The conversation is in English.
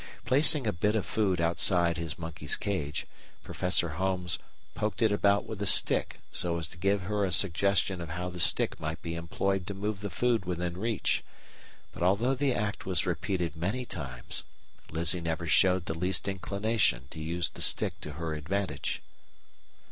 Placing a bit of food outside his monkey's cage, Professor Holmes "poked it about with the stick so as to give her a suggestion of how the stick might be employed to move the food within reach, but although the act was repeated many times Lizzie never showed the least inclination to use the stick to her advantage."